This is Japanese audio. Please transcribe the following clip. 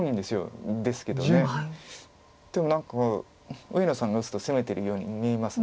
ですけどでも何か上野さんが打つと攻めてるように見えます。